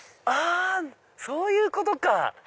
あそういうことか！